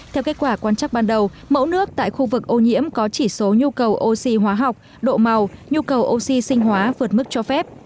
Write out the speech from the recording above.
theo kết quả quan chắc ban đầu mẫu nước tại khu vực ô nhiễm có chỉ số nhu cầu oxy hóa học độ màu nhu cầu oxy sinh hóa vượt mức cho phép